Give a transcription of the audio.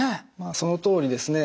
そのとおりですね。